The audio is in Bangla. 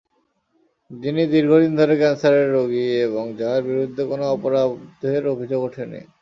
যিনি দীর্ঘদিন ধরে ক্যানসারের রোগী এবং যাঁর বিরুদ্ধে কোনো অপরাধের অভিযোগ ওঠেনি।